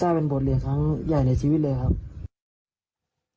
ได้เป็นบทเรียนครั้งใหญ่ในชีวิตเลยครับ